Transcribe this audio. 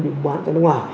bị bù bán ra nước ngoài